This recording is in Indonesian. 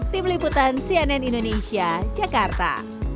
tim liputan cnn indonesia jakarta